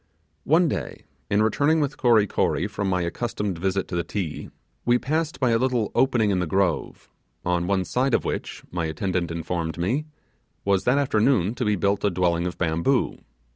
One day, in returning with Kory Kory from my accustomed visit to the Ti, we passed by a little opening in the grove; on one side of which, my attendant informed me, was that afternoon to be built a dwelling of bamboo.